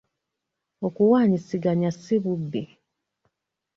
Okuwaanyisiganya si bubbi.